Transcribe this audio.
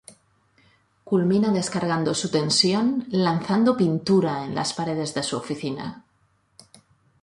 Culmina descargando su tensión lanzando pintura en las paredes de su oficina.